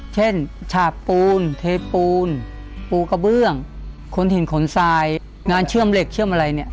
ฉาบปูนเทปูนปูกระเบื้องขนหินขนทรายงานเชื่อมเหล็กเชื่อมอะไรเนี่ย